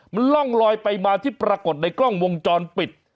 มันร่องลอยไปมาที่ปรากฏในกล้องวงจรปิด